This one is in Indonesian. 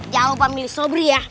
jawaban milih sobri ya